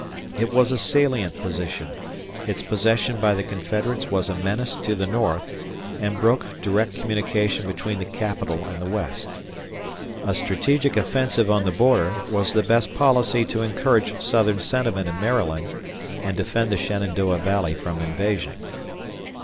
It was a salient position; its possession by the Confederates was a menace to the North and broke direct communication between the Capital and the West. A strategic offensive on the border was the best policy to encourage Southern sentiment in Maryland and defend the Shenandoah Valley from invasion.